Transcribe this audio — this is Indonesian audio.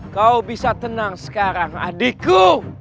kau bisa tenang sekarang adikku